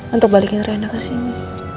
untuk balikin rina kesini